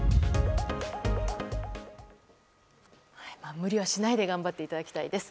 無理はしないで頑張っていただきたいです。